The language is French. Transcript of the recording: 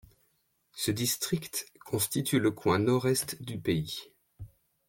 Ce district constitue le coin nord-est du pays.